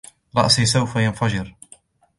رأسي سوف يَنْفَجِر.